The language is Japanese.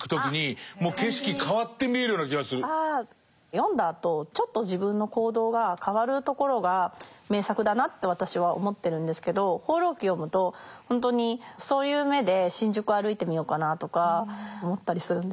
読んだあとちょっと自分の行動が変わるところが名作だなと私は思ってるんですけど「放浪記」を読むと本当にそういう目で新宿を歩いてみようかなとか思ったりするんですよね。